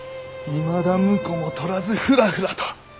いまだ婿も取らずふらふらと！